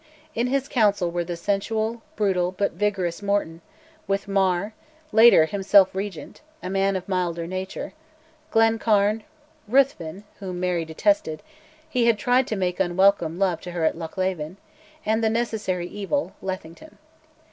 In his council were the sensual, brutal, but vigorous Morton, with Mar, later himself Regent, a man of milder nature; Glencairn; Ruthven, whom Mary detested he had tried to make unwelcome love to her at Lochleven; and "the necessary evil," Lethington.